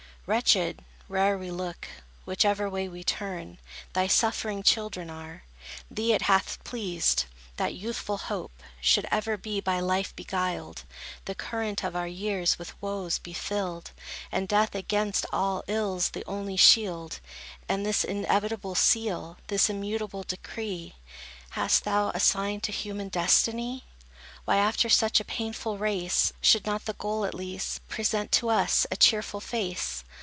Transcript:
Wretched, where'er we look, Whichever way we turn, Thy suffering children are! Thee it hath pleased, that youthful hope Should ever be by life beguiled; The current of our years with woes be filled, And death against all ills the only shield: And this inevitable seal, And this immutable decree, Hast thou assigned to human destiny, Why, after such a painful race, Should not the goal, at least, Present to us a cheerful face?